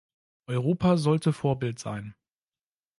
Europa sollte Vorbild sein!